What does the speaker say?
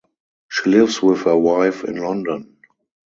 She lives with her wife in London.